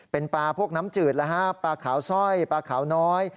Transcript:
เป็นปลาพวกน้ำจืดแล้วฮะปลาขาวสร้อยปลาขาวน้อย